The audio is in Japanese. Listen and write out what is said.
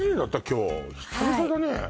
今日久々だね